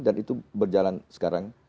dan itu berjalan sekarang